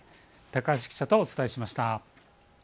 高橋記者とお伝えしました。